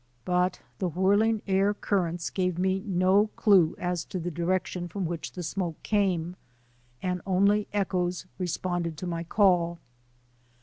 But the whirling air currents gave me no clue as to the direction from which the smoke came, and only echoes responded to my call.